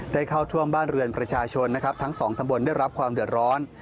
เข้าท่วมบ้านเรือนประชาชนนะครับทั้งสองตำบลได้รับความเดือดร้อน